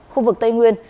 khu vực tây nguyên